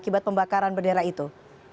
sebab pembakaran bendera itu